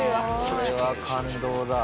これは感動だ。